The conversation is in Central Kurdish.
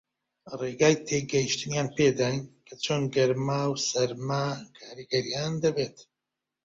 ڕێگای تێگەیشتنیان پێ داین کە چۆن گەرما و سارما کاریگەرییان دەبێت